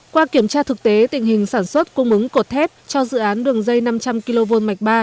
qua kiểm tra thực tế tình hình sản xuất cung ứng cột thép cho dự án đường dây năm trăm linh kv mạch ba